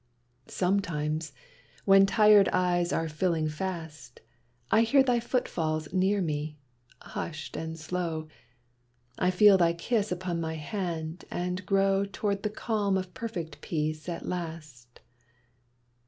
Sometimes, when tired eyes are filling fast, I hear thy footfalls near me, hushed and slow; I feel thy kiss upon my hand and grow Toward the calm of perfect peace at last.